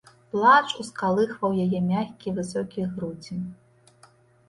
Плач ускалыхваў яе мяккія высокія грудзі.